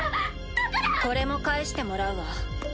だから！これも返してもらうわ。